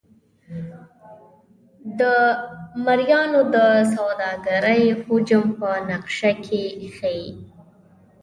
د مریانو د سوداګرۍ حجم په نقشه کې ښيي.